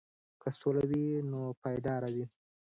که سوله وي نو پایدار وي.